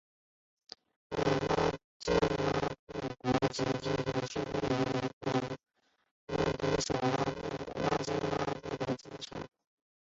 布琼布拉国际机场是一位位于布隆迪首都布琼布拉的国际机场。